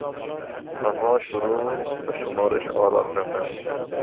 آنها شروع به شمارش آرا کردند.